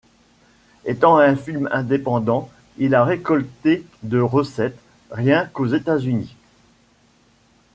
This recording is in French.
Étant un film indépendant, il a récolté de recettes, rien qu'aux États-Unis.